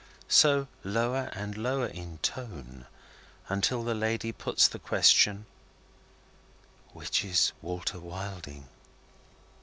So, lower and lower in tone until the lady puts the question: "Which is Walter Wilding?"